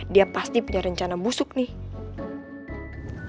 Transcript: dia pasti punya rencana busuk nih